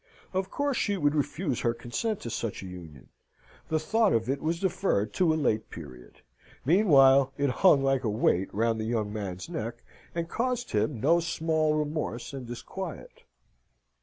Of course she would refuse her consent to such a union. The thought of it was deferred to a late period. Meanwhile, it hung like a weight round the young man's neck, and caused him no small remorse and disquiet.